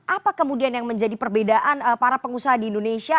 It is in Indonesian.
apa kemudian yang menjadi perbedaan para pengusaha di indonesia